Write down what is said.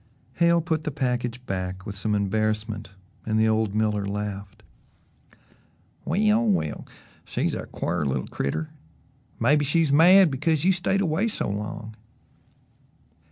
Hale put the package back with some embarrassment and the old miller laughed. "Well, well she's a quar little critter; mebbe she's mad because you stayed away so long."